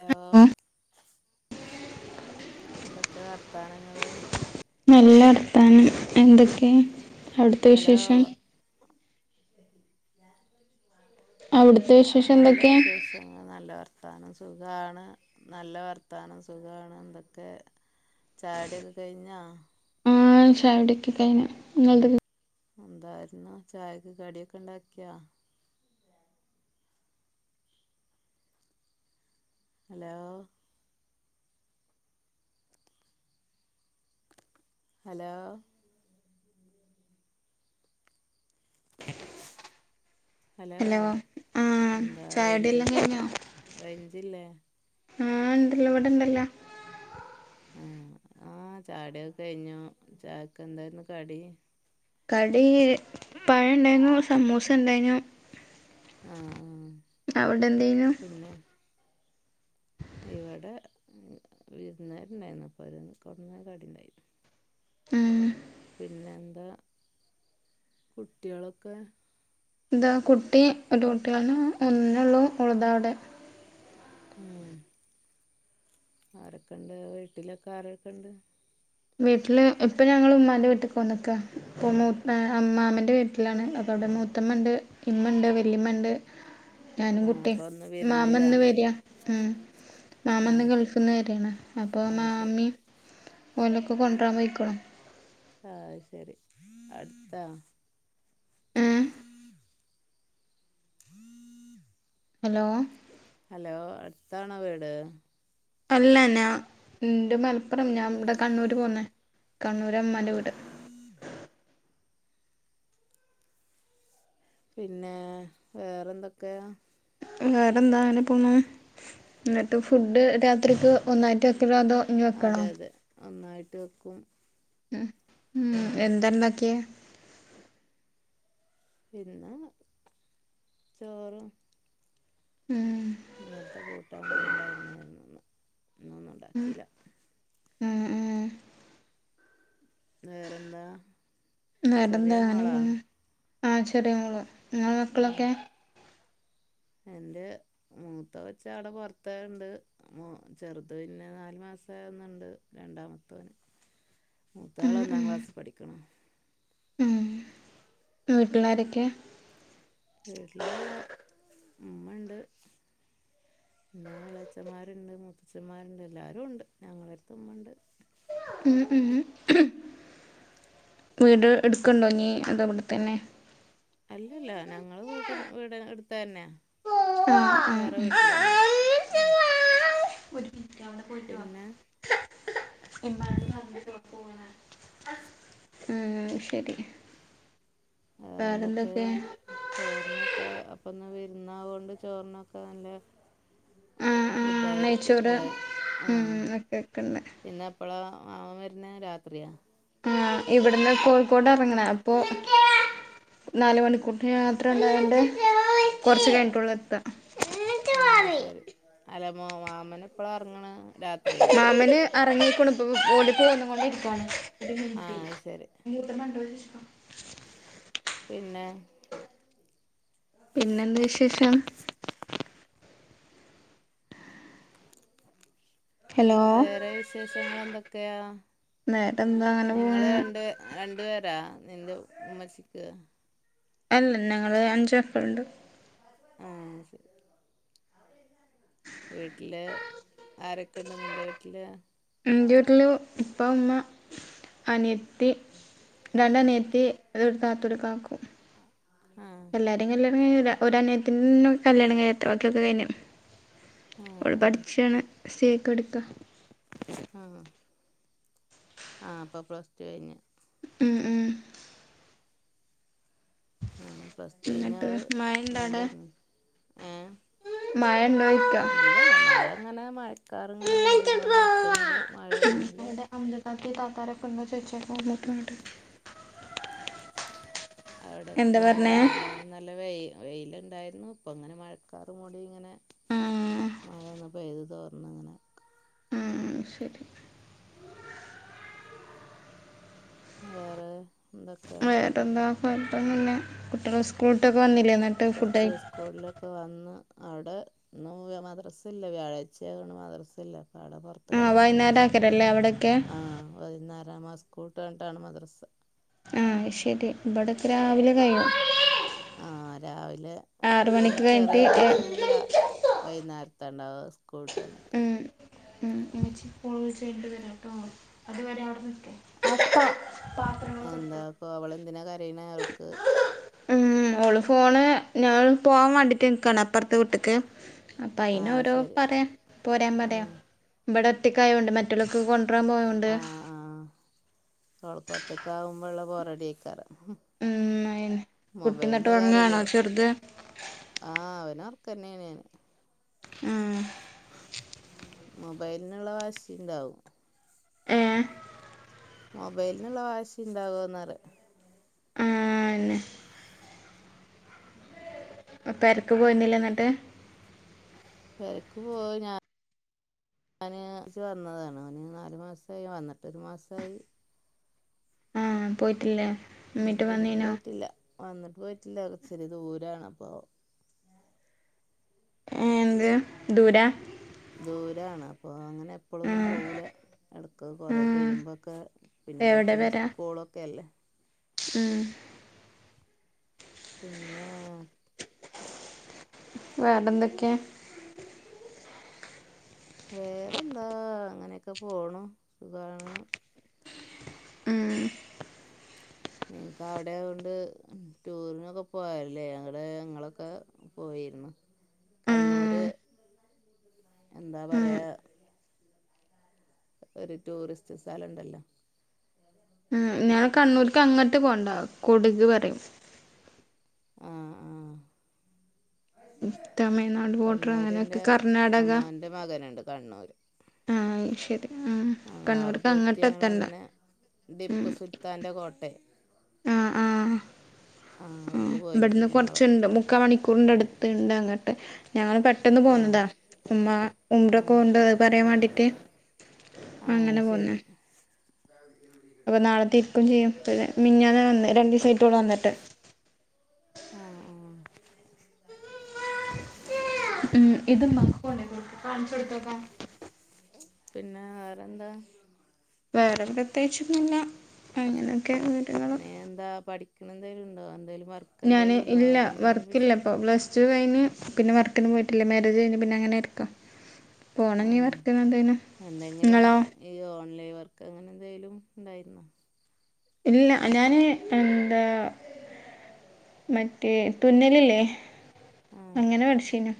Hello ആ എന്തൊക്കെ വർത്താനങ്ങള് നല്ല വർത്താനം എന്തൊക്കെ അവിടുത്തെ ഹലോ വിശേഷം അവിടുത്തെ വിശേഷം നല്ല എന്തൊക്കെയാ വിശേഷം ആഹ് നല്ല വർത്താനം സുഖമാണ് നല്ല വർത്താനം സുഖമാണ് എന്തൊക്കെ ചായ കുടി ഒക്കെ കഴിഞ്ഞോ ആഹ് ചായ കുടി ഒക്കെ കഴിഞ്ഞു ഇങ്ങൾത് എന്തായിരുന്നു ചായക്ക് കടിയൊക്കെ ഉണ്ടാക്കിയോ ഹലോ ഹലോ ഹലോ ആഹ് എന്താ ചായോടി റേഞ്ച് എല്ലാം കഴിഞ്ഞോ റേഞ്ചില്ലേ ആഹ് ഇണ്ടല്ലോ ഇവിടെ ഇണ്ടല്ലോ ആഹ് ആഹ് ചായകുടി ഒക്കെ കഴിഞ്ഞു ചായക്ക് എന്തായരുന്നു കടി കടി പഴം ഇണ്ടായിരുന്നു സമൂസ ഉണ്ടായിനു ആഹ് അവിടെ എന്തേനു പിന്നെ ഇവിടെ വിരുന്നാര് ഉണ്ടായിരുന്നു അപ്പോ അതിന് കൊടുന്നകടി ഉണ്ടായിരുന്നു ഏഹ് പിന്നെ എന്താ കുട്ട്യാളൊക്കെ ഇതാ കുട്ടി ഒരു കുട്ട്യുള്ളു ഒന്നോള്ളൂ ഓൾതാ അവിടെ ഉം ആരൊക്കെണ്ട് വീട്ടിലൊക്കെ ആരൊക്കെണ്ട് വീട്ടില് ഇപ്പോ ഞങ്ങൾ ഉമ്മാന്റെ വീട്ടിക്ക് പോന്ന്ക ഇപ്പൊ മു ഏ മ്മാമന്റെ വീട്ടിലാണ് അപ്പൊ അവിടെ മൂ മുത്തമ്മണ്ട് ഇമ്മണ്ട് വല്ലിമ്മണ്ട് ഞാനും ആ കുട്ടി അപ്പം ഒന്ന് മാമഇന്ന് വിരുന്നിലാണ് വരിയാ ഉം മാമ ആ ഇന്ന് ശരി ഗൾഫിൽ നിന്ന് വരാണ് അപ്പോൾ ആ ശരി മാമ്മീം ഓലൊക്കെ കൊണ്ടരാൻ പൊയ്ക്ക്ണോ ആഹ് ശരി അടുത്താ ഏ ഹലോ ഹലോ അടുത്താണോ വീട് അല്ല ഞാ ന്റെ മലപ്പുറം ഞാൻ ഇവിടെ കണ്ണൂര് പോന്നേ കണ്ണൂരാ ഉമ്മാന്റെ വീട്. പിന്നെ വേറെന്തക്കെയ വേറെ എന്താ അങ്ങനെ പോണു എന്നിട്ട് ഫുഡ് രാത്രിക്ക് ഒന്നായിട്ട് വെക്കലാ അതോ ഇനി അതെ വെക്കണോ അതെ ഒന്നായിട്ട് വെക്കും ഉം എന്താ ഉണ്ടാക്കിയത് പിന്നെ ചോറും ഉം ഇന്നലത്തെ കൂട്ടാങ്ങള്ണ്ടായിരുന്നു ഇന്ന് ഇന്നൊന്നും ഇണ്ടാക്കില്ല. ഉം ഉം വേറെന്താ? വേറെ ചെറിയ എന്താ അങ്ങനെ മോളാ പോണു ആ ചെറിയ ആള് ഇങ്ങള മക്കളൊക്കെ? എന്റെ മൂത്ത കൊച്ചവിടെ പുറത്ത്ണ്ട്. മോ ചെറുത് പിന്നെ നാല് മാസമാകുന്നുണ്ട് രണ്ടാമത്തോന്. മുത്താള് ഒന്നാം ക്ലാസ്സി പഠിക്ക്ണു. മ്ഹ് വീട്ടിലാരൊക്കെ? വീട്ടില് ഉമ്മ ണ്ട്. പിന്നെ എളച്ചന്മാരുണ്ട് മുത്തച്ഛന്മാരുണ്ട് എല്ലാരും ഉണ്ട് ഞങ്ങളടുത്ത് ഉമ്മണ്ട്. മ്ഹ് മ്ഹ് വീട് എടുക്ക്ണ്ടോ നീ അതോ ഇവിടെ തന്നെ. അല്ലല്ല ഞങ്ങള് വീട്ട വീട് അടുത്തന്നയ ആഹ് ആഹ് വേറെ വീട്ടിലന്നെ മ്ഹ് പിന്നെ [inaudible] ആഹ് ശരി. വേറെന്തൊക്കെ? ചോറിനൊക്കെ അപ്പൊ ഇന്ന് വിരുന്നാവോണ്ട് ചോറിനൊക്കെ നല്ല ആഹ് ആഹ് ഫുഡായിരിക്കും നെയ്ച്ചോറ് അല്ലേ ഉം ആഹ് ഒക്കെ വെക്ക്ണ്ട് പിന്നെ എപ്പോള അവൻ വരുന്നെ രാത്രിയാ? ആ ഇവിടുന്ന് കോഴിക്കോട് എറങ്ങണം അപ്പൊ, നാല് മണിക്കൂറിതെ യാത്ര ഉണ്ടായോണ്ട് കൊറച്ചു കഴിഞ്ഞിട്ടൊള്ളൂ എത്ത ആഹ ശരി അലമോ മാമന എപ്പള ഇറങ്ങണ രാത്രി. മാമന് അറങ്ങിക്ക്ണു ഇപ്പ ഓല് പോ ന്ന്കൊണ്ടിരിക്ക. ആ ശരി [unintelligible] പിന്നെ. പിന്നെന്ത് വിശേഷം? [unintelligible] ഹലോ വേറെ വിശേഷങ്ങളെന്തൊക്കെയാ വേറെന്താ അങ്ങനെ പോണ് നിങ്ങള് രണ്ട്. രണ്ടു വേരാ നിന്റെ ഉമ്മച്ചിക്ക്? അല്ല ഞങ്ങൾ അഞ്ച്മക്കള്ണ്ട്. ആഹ ശരി. വീട്ടില് ആരൊക്കെണ്ട് നിന്റെ വീട്ടില്? ഇന്റെ വീട്ടില് ഉപ്പ ഉമ്മ അനിയത്തി. രണ്ട് അനിയത്തി ഒരു താത്ത ഒരു കാക്കു. [inaudible] എല്ലാരി കല്യാണം കഴിഞ്ഞതാ ഒരനിയത്തി ണ്ട് കല്യാണം കഴിയാത്തെ ബാക്കിയൊക്കെ കഴിഞ്ഞു. ആ അവിൾ പഠിച്ചാണ് സിയേക്ക് പടിക്ക. ആഹ ആ അപ്പൊ പ്ലസ് ടു കഴിഞ്ഞ്. ഉം ഉം ആഹ പ്ലസ്ടു എന്നിട്ട് കഴിഞ്ഞാള് ഉണ്ട്ന്ന് ഏ മയണ്ടോ? അ ല്ല മഴ ഇങ്ങനെ മഴക്കാറിങ്ങനെ മൂടി കൊണ്ട് നിൽക്കുന്നുണ്ട് മഴയല്ല റംല താത്തയും താത്തറൂം എന്ത് ചെയ്യണം എന്ന് ചോദിച്ചു [unintelligible] അവിടെൊക്കെമഴ ആണോ ഇന്ന് ഇന്നലെ വെ വെയിലുണ്ടായിരുന്നു ഇപ്പങ്ങനെ മഴക്കാറ് മൂടി ഇങ്ങനെ. ഉം മഴ ഒന്ന് പെയ്തുതോർന്നിങ്ങനെ. ഉം ശരി. വേറെ എന്തൊക്കെ? ന്നിട്ടെന്താ കൊഴപ്പൊന്നുല്ല കുട്ടികൾ സ്കൂള്ട്ടൊക്കെ വന്നില്ലേ ന്നിട്ട്. കുട്ടി സ്കൂളിലൊക്കെ വന്ന് അവിടെ. ഇന്ന് മദ്രസില്ല വ്യാഴാഴ്ചയായോണ്ട് മദ്രസ ില്ല അപ്പൊ അവിടെ പുറ പുറത്തു ആഹ് കളിക്കാ വൈകുന്നേരം കുറച്ചു നേരം ആക്കലല്ലേ അവിടൊക്കെ ആ വൈകുന്നരാണ് ഇസ്കൂള് വിട്ട ന്നിട്ടാണ് മദ്രസ്. ആഹ ശരി ഇവിടക്കെ രാവിലെ കഴിയും ആ രാവിലെ ആറ് മണിക്ക് ചെറിയ കൊച്ച കഴിഞ്ഞിട്ട് [inaudible] വൈകുന്നേരത്തണ്ടാവ സ്കൂളിട്ട് വന്നിട്ട് ഇമ്മച്ചി ഫോൺ വിളിച്ച് കഴിഞ്ഞിട്ട് വരാം ട്ടോ അതുവരെ അവിടെ നിക്! ! [inaudible] എന്താപ്പോ അവള് എന്തിനാ കരയണ അവൾ ക്ക് ഉ ഓള് ഫോണ് ഞാൻ പോവാൻ വേണ്ടിയിട്ട് നിക്കാണ് അപ്പുറത്തെ വീട്ടിക്ക്. അപ്പ അയിന് ആഹ് ഓരോ ശരി പറയ പോരാ പറയാ ആഹ് ഇവിടെ ഒറ്റക്കായമുണ്ട് മറ്റുള്ളൊക്ക് കൊണ്ടുരാൻ പോയുണ്ട്. ആ ഓൾക് ഒറ്റക് ആകുമ്പോ ഉള്ള പോ റെഡി ഇക്കാരം ഉം അയന്നെ കുട്ടി എന്നിട്ട് മൊബൈലിന് ഉറങ്ങാണോ കരയ്യോ ചെറുത് ആഹ അവന ഉറ ക്ക തന്നെയാ ണ്. ഉം മൊബൈലിനുള്ള വാശി ണ്ടാവും ഏ മൊബൈലിനുള്ള വാശി ഇണ്ടാകോന്ന റ! ആഹ് അന്നെ അപ്പൊ പേ രക്ക് പോരുന്നില്ല എന്നിട്ട് പേരക്ക് പോ ഞാൻ ഞാന്ച്ച് വന്നതാണ് അവന് നാല് മാസമായി വന്നിട്ട് ഒരു മാസയി ആഹ് പോയിട്ടില്ലേ? ഉം ഉമ്മീട്ട് പിന്നെ വന്നീനോ പോയിട്ടില്ല, വന്നിട്ട് പോയിട്ടില്ല, ഇച്ചിരി ദൂരാണപ്പൊ ഏഹ് എന്ത് ദൂരാ ദൂരാണ് അപ്പൊ അങ്ങനെ എപ്പൊളൊന്നും ആഹ് പോവൂല, എടക്ക് കൊറേ ആഹ് കഴിയുമ്പോക്കെ, പിന്നെ എവിടെ കൊച്ചിന് വരാ സ്കൂളൊക്കെ അല്ലേ ഉം പിന്നെ വേറെന്തൊക്കെയാ? വേറെന്താ, അങ്ങനെയൊക്കെ പോണു, സുഖാണ് ഉം നിങ്ങക്ക് അവിടെയായോണ്ട് ടൂറിനൊക്കെ പോകാല്ലേ, അവിടെങ്ങളൊക്കെ പോയിരുന്നു. ഉം കണ്ണൂര് എന്താ ഉം പറയാ ഒരു ടൂറിസ്റ്റ് സ്ഥലോണ്ടല്ലോ ഉം ഞാൻ കണ്ണൂർക്ക് അങ്ങോട്ട് പോണ്ട, കൊടുക് പറയും. ആഹ് ആഹ് തമിഴ്നാട് ബോർഡർ അങ്ങനെയൊക്കെ കർണ്ണാടക എൻ്റെ മകനുണ്ട് കണ്ണൂര് ആഹ് ശരി ഉം അങ്ങനെ അവിടെ കണ്ണൂർക്ക് പോയിട്ട് അങ്ങട്ട് ഞങ്ങള് എത്തണ്ട അങ്ങനെ ഉം ടിപ്പുസുൽത്താന്റെ കോട്ടയ ആഹ് ആഹ് ഹും അവിടേക്ക് ഇവിടുന്ന് പോയിരുന്നു ഞങ്ങൾ കുറച്ചുണ്ട്, മുക്കാ മണിക്കൂർണ്ടടുത്ത്. ത്ത്ണ്ട് അങ്ങട്ട്. ഞങ്ങള് പെട്ടെന്ന് ആ പോന്നതാ ഉമ്മ [unintelligible] അത് പറയാൻ വേണ്ടിട്ട് ആ അങ്ങനെ അത് പോന്നെ ശരി [inaudible] അപ്പൊ നാളെ തിരിക്കും ചെയ്യും. [unintelligible] മിനിഞ്ഞാന്നാ വന്നെ, രണ്ടു ദിവസായിട്ടുള്ളു വന്നിട്ട് ആ ആ ഉം ഇത് [inaudible] കാണിച്ചു കൊടുത്ത പിന്നെ വേറെന്താ വേറെ പ്രത്യേകിച്ചൊന്നുമില്ല, അങ്ങനെയൊക്കെ അങ്ങൊട് നീ എന്താ പഠിക്കണെന്തേലും ഉണ്ടോ? എന്തേലും വർക്ക്‌ ഞാന് ഇല്ല, വർക്കില്ല പ്പൊ പ്ലസ് ടു കഴിഞ്ഞ് പിന്നെ വർക്ക്‌ന് പോയിട്ടില്ല, മാരേജ് കയിഞ്ഞ് പിന്നെ അങ്ങനയിരിക്കാ. ആഹ് എന്തെങ്കിലും ഇങ്ങളോ ഈ ഓൺലൈൻ വർക്ക് അങ്ങനെ എന്തെലും ഉണ്ടായിരുന്നോ? ഇല്ല ഞാന് എന്താ മറ്റേ തുന്നലില്ലേ ആ അങ്ങനെ പഠിച്ചീനു,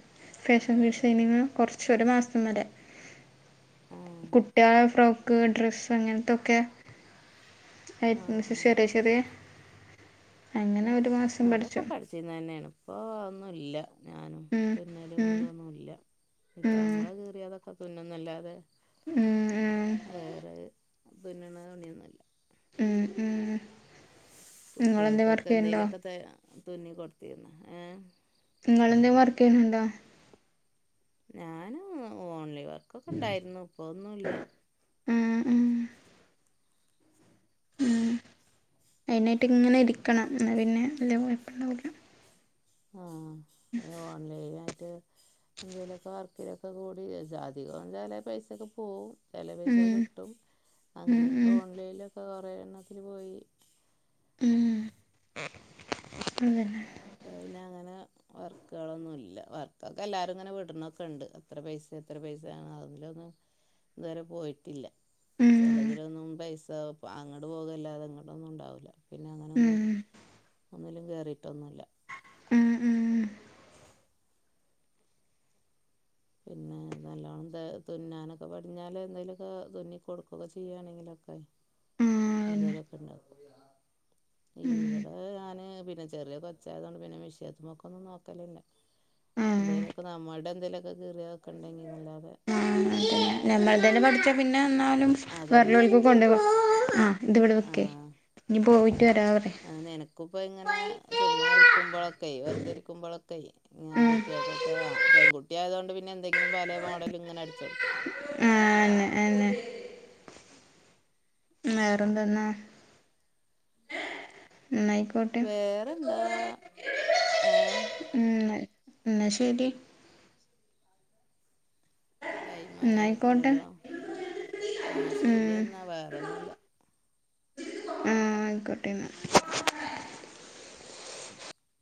ഫാഷൻ ഡിസൈനിങ് കൊറച്ചൊരു മാസം വരെ. ആ കുട്ടികളെ ഫ്രോക്ക്, ഡ്രസ്സ് അങ്ങനത്തൊക്കെ ആ ആ [unintelligible] ചെറിയ ചെറിയ, അങ്ങനെ ഒരു മാസം പഠിച്ചു അതൊക്കെ പഠിച്ചിന്ന് തന്നെണ്, ഇപ്പ ഒന്നുല്ല ഞാനും ഉം തുന്നലും ഉം ഇതൊന്നുല്ല, ഇപ്പ ഉം മ്മളെ കീറിയതൊക്കെ തുന്നുന്നല്ലാതെ ഉം വേറെ തുന്നണ തുണിയൊന്നുല്ല. ഉം ഉം നിങ്ങളെന്തേ കുട്ടികൾക്കൊക്കെ വർക്ക് ചെയ്യണ്ടോ എന്തേലുക്കെ തുന്നി കൊടുത്തിരുന്നോ ഏഹ് നിങ്ങളെന്തേലും വർക്ക് ചെയ്യണുണ്ടോ? ഞാൻ ഓൺലൈൻ വർക്കൊക്കെ ഉണ്ടായിരുന്നു, ഇപ്പോന്നുല്ല ഉം ഉം അയിനായിട്ട് ഇങ്ങനെ ഇരിക്കണം, എന്ന പിന്നെ വല്ല കുഴപ്പണ്ടാവില്ല ആഹ് അയ്ന് ഓണ്ലൈനായിട്ട് എന്തെലൊക്കെ വർക്കിലൊക്കെ കൂടി അധികം [unintelligible] പൈസൊക്കെ പോവും ചെല ഉം പൈസ കിട്ടും. ഉം അങ്ങനെയൊക്കെ ഉം ഓൺലൈനിലൊക്കെ കൊറെ എണ്ണത്തിന് പോയി ഉം അതന്നെ അതുപിന്നങ്ങനെ വർക്ക്കളൊന്നുല്ല. വർക്കൊക്കെ എല്ലാരും ഇങ്ങനെ വിടണൊക്കെണ്ട്. അത്ര പൈസെ ഇത്ര പൈസെ അയ്ലൊന്നും ഇതുവരെ പോയിട്ടില്ല. ഉം ചെലതിലൊന്നും പൈസ അങ്ങട്ട് പോകല്ലാതെ ഇങ്ങട്ടൊന്നും ഉണ്ടാവൂല്ല പിന്നെ ഉം അങ്ങനൊന്നും ഒന്നിലും കേറിട്ടൊന്നുല്ല. ഉം ഉം പിന്നെ നല്ലവണ്ണം ദ് തുന്നാനൊക്കെ പടിഞ്ഞാൽ എന്തേലൊക്കെ തുന്നി കൊടുക്കൊക്കെ ചെയ്യാണെങ്കിലൊക്കെ ആഹ് അതന്നെ എന്തേലൊക്കെ ഉണ്ടാക്കും. ഈ ഉം വടെ ഏഹ് ഞാന് പിന്നെ ചെറിയ കൊച്ചായതുകൊണ്ട് പിന്നെ മെഷേൻത്തുമൊക്കൊന്നും നോക്കലില്ല. ആഹ് ആഹ് എന്തേലൊക്കെ നമ്മൾടെ എന്തേലൊക്കെ കീറിയതൊക്കെ ഉണ്ടെങ്കി അല്ലാതെ ഞമ്മൾ തന്നെ പഠിച്ചാ പിന്നെ വന്നാലും അതന്നെ വെറെല്ലോൽക്ക് കൊണ്ട വാ [unintelligible] ഇനി പോയിട്ട് വരാ പർ ആഹ് നിനക്കിപ്പ ഇങ്ങനെ ചുമ്മാ ഇരിക്കുമ്പളൊക്കെ വെറുതെ ഇരിക്കുമ്പളൊക്കെയ് ഇങ്ങനെ കുട്ടിയേക്കൊക്കെ. അഹ് പെൺകുട്ടിയായതോണ്ട് പിന്നെ എന്തെങ്കിലും പലേ മോഡലും ഇങ്ങനെ അടിച്ചൊട്ക്കാ. ആഹ് അഹന്നെ അഹന്നെ വേറെന്ത ന്നാ. ഇന്നാ യി വേറെന്താ? ഏഹ് ഉം ന്ന് ഇന്നാ ശരി. ടൈം ആയൊ ന്നായിക്കോട്ടെ ഇല്ലല്ലോ. ആഹ് ശരി ഉം ഇന്നാ വേറൊന്നുല്ല. ആഹ് ആയിക്കോട്ടെ ന്നാ